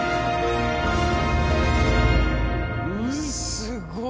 すごい。